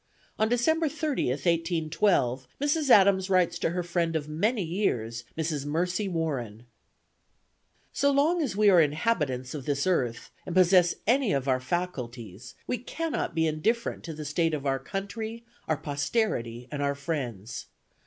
On December 30th, 1812, Mrs. Adams writes to her friend of many years, Mrs. Mercy Warren: "So long as we are inhabitants of this earth and possess any of our faculties, we cannot be indifferent to the state of our country, our posterity and our friends.